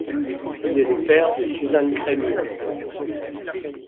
Il est le père de Suzanne Crémieux.